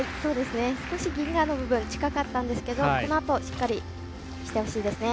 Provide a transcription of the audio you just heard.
少しギンガーの部分近かったんですがこのあとしっかりしてほしいですね。